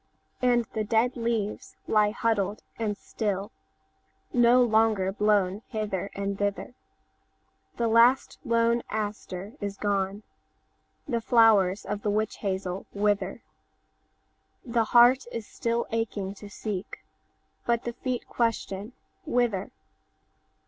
And the dead leaves lie huddled and still, No longer blown hither and thither; The last lone aster is gone; The flowers of the witch hazel wither; The heart is still aching to seek, But the feet question 'Whither?